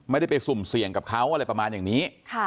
ไม่ได้ไปสุ่มเสี่ยงกับเขาอะไรประมาณอย่างนี้